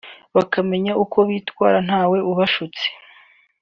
bakamenya uko bitwara ntawe ubashutse